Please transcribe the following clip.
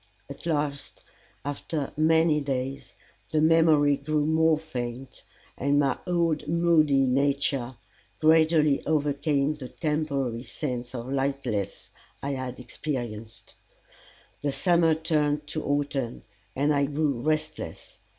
At last, after many days, the memory grew more faint, and my old moody nature gradually overcame the temporary sense of lightness I had experienced. The summer turned to autumn, and I grew restless.